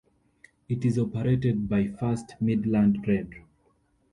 It is operated by First Midland Red.